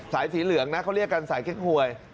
สายสีเหลืองนะเขาเรียกอันสายแก๊กหวย